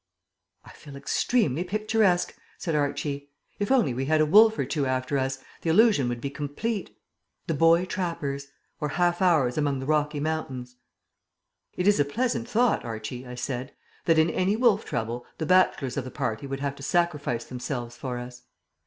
"I feel extremely picturesque," said Archie. "If only we had a wolf or two after us, the illusion would be complete. The Boy Trappers, or Half Hours among the Rocky Mountains." "It is a pleasant thought, Archie," I said, "that in any wolf trouble the bachelors of the party would have to sacrifice themselves for us.